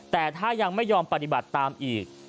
แต่ถ้ายังไม่ยอมปฏิบัติตามอีก